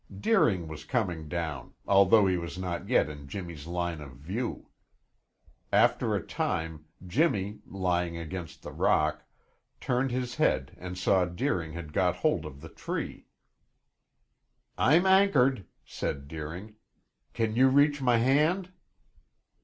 Deering was coming down, although he was not yet in Jimmy's line of view. After a time, Jimmy, lying against the rock, turned his head and saw Deering had got hold of the tree. "I'm anchored," said Deering. "Can you reach my hand?"